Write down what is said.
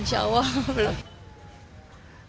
insya allah belum